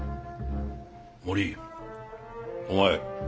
森お前